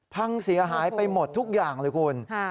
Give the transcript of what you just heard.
พังเสียหายไปหมดทุกอย่างเลยคุณ